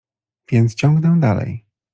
— Więc ciągnę dalej.